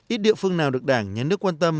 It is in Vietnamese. ít địa phương nào được đảng nhấn nước quan tâm